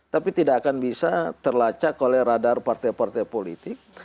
tapi tidak akan bisa terlacak oleh radar partai partai politik